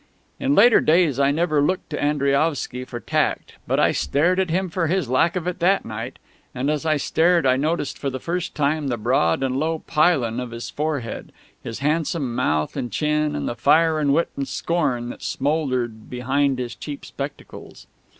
In later days I never looked to Andriaovsky for tact; but I stared at him for his lack of it that night. And as I stared I noticed for the first time the broad and low pylon of his forehead, his handsome mouth and chin, and the fire and wit and scorn that smouldered behind his cheap spectacles.